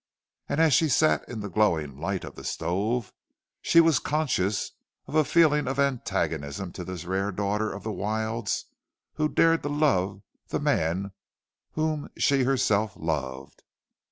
And as she sat in the glowing light of the stove, she was conscious of a feeling of antagonism to this rare daughter of the wilds who dared to love the man whom she herself loved.